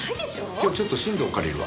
今日ちょっと新藤借りるわ。